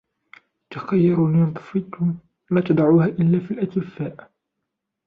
تَخَيَّرُوا لَنُطَفِكُمْ وَلَا تَضَعُوهَا إلَّا فِي الْأَكْفَاءِ